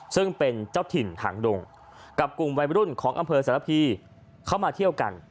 ซึ่งเป็นเจ้าถิ่นหางดงกับกลุ่มวัยรุ่นของอำเภอสารพีเข้ามาเที่ยวกัน